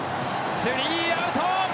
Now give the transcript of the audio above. スリーアウト！